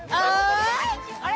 あれ？